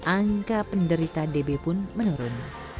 angka penderita db pun menurun